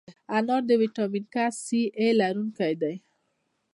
انار د ویټامین A، C، K لرونکی دی.